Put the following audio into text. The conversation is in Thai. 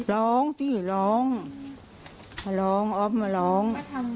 ร้องจริงร้องออฟมันร้อง